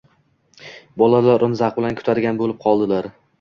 bolalar uni zavq bilan kutadigan bo‘lib qoladilar